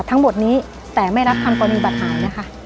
ทั้งหมดนี้แต่ไม่รับทำกรณีบัตรหายนะคะ